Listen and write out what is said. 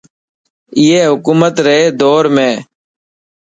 اي حڪومت ري دور ۾.